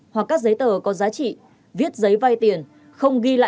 hoặc các giấy tờ có giá trị tương đồng